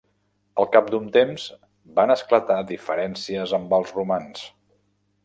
Al cap d'un temps van esclatar diferències amb els romans.